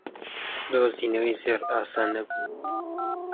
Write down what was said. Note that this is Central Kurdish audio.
دۆزینەوەی زێڕ ئاسان نەبوو.